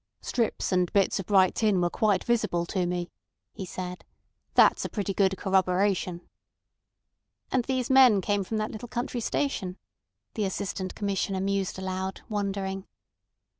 "Strips and bits of bright tin were quite visible to me," he said. "That's a pretty good corroboration." "And these men came from that little country station," the Assistant Commissioner mused aloud, wondering.